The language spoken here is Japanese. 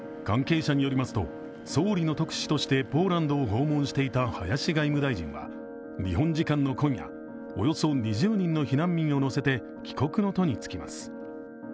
関係者によりますと総理の特使としてポーランドを訪問していた林外務大臣は日本時間の今夜およそ２０人の避難民を乗せて帰国の途につきます。